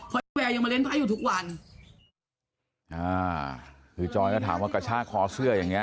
เพราะพี่แวร์ยังมาเล่นไพ่อยู่ทุกวันอ่าคือจอยก็ถามว่ากระชากคอเสื้ออย่างเงี้